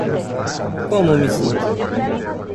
Como me sinto?